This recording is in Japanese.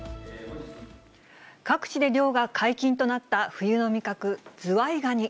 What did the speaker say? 各地で漁が解禁となった冬の味覚、ズワイガニ。